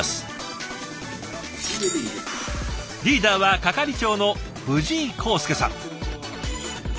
リーダーは係長の藤井康介さん。